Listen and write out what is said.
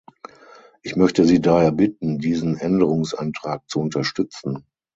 Ich möchte Sie daher bitten, diesen Änderungsantrag zu unterstützen.